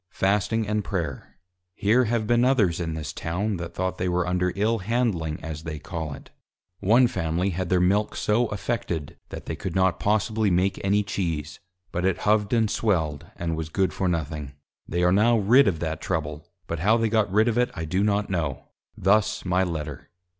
_ Fasting and Prayer. Here have been others in this Town, that though they were under Ill handling as they call it: One Family had their Milk so affected, that they could not possibly make any Cheese, but it hov'd and swelled, and was good for nothing: They are now rid of that trouble, but how they got rid of it I do not know': Thus my Letter.